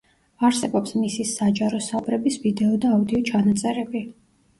არსებობს მისი საჯარო საუბრების ვიდეო და აუდიო ჩანაწერები.